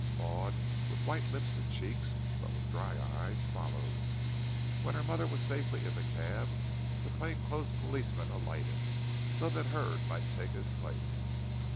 Maud, with white lips and cheeks, but with dry eyes, followed. When her mother was safely in the cab, the plain clothes policeman alighted, so that Hurd might take his place.